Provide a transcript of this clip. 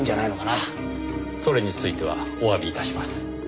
それについてはおわび致します。